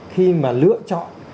khi mà lựa chọn